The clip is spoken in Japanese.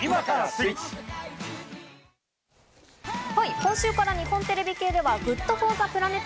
今週から日本テレビ系ではＧｏｏｄＦｏｒｔｈｅＰｌａｎｅｔ